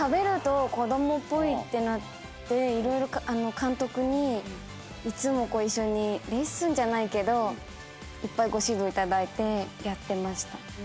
てなって色々監督にいつも一緒にレッスンじゃないけどいっぱいご指導いただいてやってました。